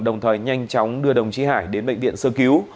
đồng thời nhanh chóng đưa đồng chí hải đến bệnh viện sơ cứu